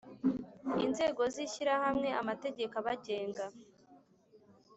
Inzego z ishyirahamwe amategeko abagenga.